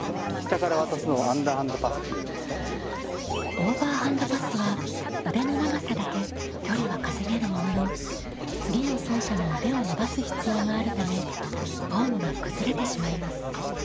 オーバーハンドパスは腕の長さだけ距離は稼げるものの次の走者も腕を伸ばす必要があるためフォームが崩れてしまいます。